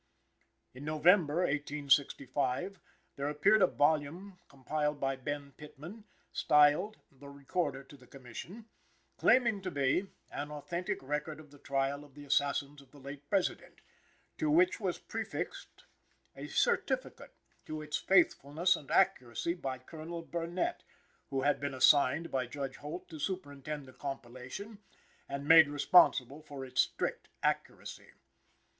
In November, 1865, there appeared a volume compiled by Benn Pitman styled "The Recorder to the Commission," claiming to be "An authentic record of the trial of the assassins of the late President," to which was prefixed a certificate "to its faithfulness and accuracy" by Colonel Burnett, who had been assigned by Judge Holt to superintend the compilation and "made responsible for its strict accuracy."